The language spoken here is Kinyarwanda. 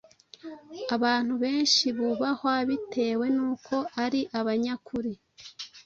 Abantu benshi bubahwa bitewe n’uko ari abanyakuri